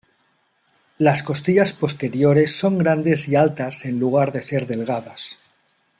Las costillas posteriores son grandes y altas en lugar de ser delgadas.